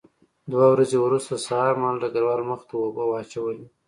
دوه ورځې وروسته سهار مهال ډګروال مخ ته اوبه واچولې